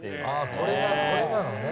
これなのね。